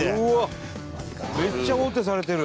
伊達：めっちゃ王手されてる。